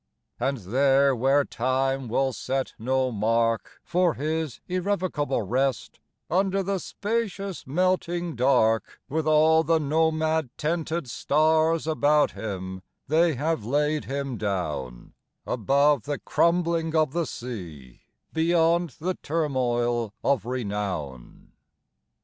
And there where time will set no mark For his irrevocable rest, Under the spacious melting dark, With all the nomad tented stars About him, they have laid him down Above the crumbling of the sea, Beyond the turmoil of renown.